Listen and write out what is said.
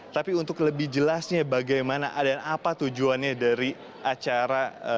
tapi untuk lebih jelasnya bagaimana dan apa tujuannya dari acara